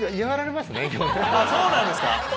そうなんですか？